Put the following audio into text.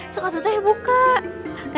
suka tuh teh buka